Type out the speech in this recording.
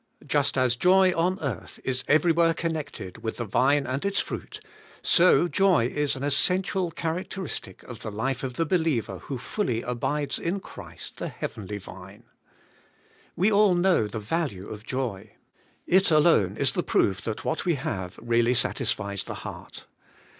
Just as joy on earth is every where connected with the vine and its fruit, so joy is an essential characteristic of the life of the believer who fully abides in Christ, the heavenly Vine. We all know the value of joy. It alone is the proof that what we have really satisfies the heart.